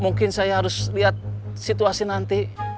mungkin saya harus lihat situasi nanti